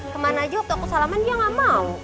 kemana aja waktu aku salaman dia gak mau